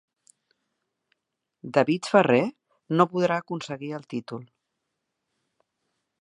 David Ferrer no podrà aconseguir el títol.